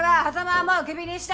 硲はもうクビにした。